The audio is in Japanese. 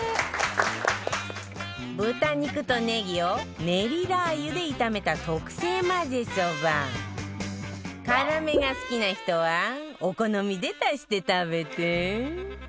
豚肉と、ねぎをねりラー油で炒めた特製まぜそば辛めが好きな人はお好みで足して食べて！